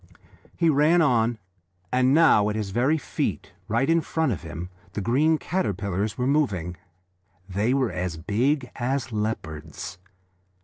He ran on, and now at his very feet, right in front of him, the green caterpillars were moving. They were as big as leopards.